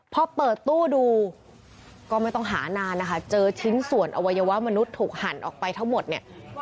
พอเปิดตู้ดูก็ไม่ต้องหานานนะคะเจอชิ้นส่วนอวัยวะมนุษย์ถูกหั่นออกไปทั้งหมดเนี่ย